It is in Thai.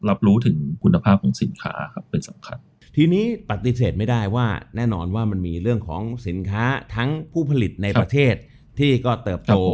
รับรู้ถึงคุณภาพของสินค้าครับเป็นสำคัญทีนี้ปฏิเสธไม่ได้ว่าแน่นอนว่ามันมีเรื่องของสินค้าทั้งผู้ผลิตในประเทศที่ก็เติบโต